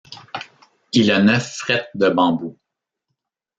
Il a neuf frettes de bambou.